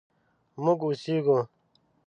مونږ اوسیږو